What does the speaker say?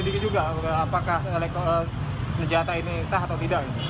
ini diduga juga apakah penjahat ini sah atau tidak